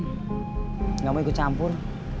enggak mau ikut campur